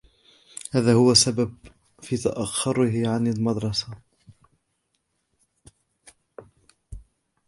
هذا هو السبب في تاخره عن المدرسة.